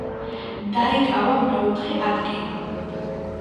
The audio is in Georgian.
დაიკავა მეოთხე ადგილი.